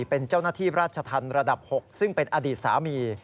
เป็นเจ้าหน้าที่ราชธรรมระดับ๖ซึ่งเป็นอดีตสามี